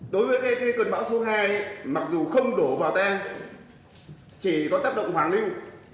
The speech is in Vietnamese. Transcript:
đối với cơn bão số hai mặc dù không đổ vào tay chỉ có tác động hoàng lưu